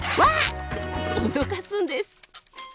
脅かすんです。